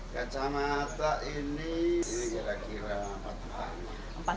kacamata ini kira kira empat jutaan